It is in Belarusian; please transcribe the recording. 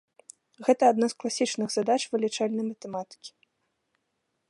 Гэта адна з класічных задач вылічальнай матэматыкі.